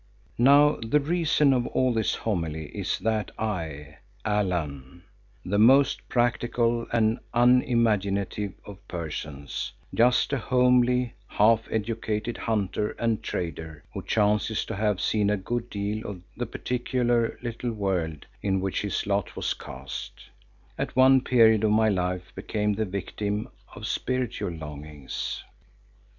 Now the reason of all this homily is that I, Allan, the most practical and unimaginative of persons, just a homely, half educated hunter and trader who chances to have seen a good deal of the particular little world in which his lot was cast, at one period of my life became the victim of spiritual longings.